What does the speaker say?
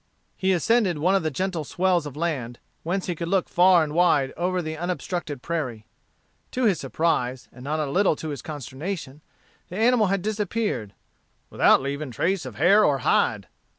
He ascended one of the gentle swells of land, whence he could look far and wide over the unobstructed prairie. To his surprise, and not a little to his consternation, the animal had disappeared, "without leaving trace of hair or hide."